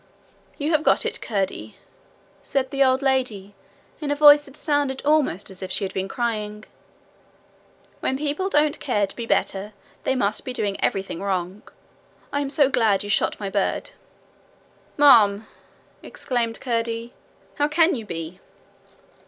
'You have got it, Curdie,' said the old lady, in a voice that sounded almost as if she had been crying. 'When people don't care to be better they must be doing everything wrong. I am so glad you shot my bird!' 'Ma'am!' exclaimed Curdie. 'How can you be?'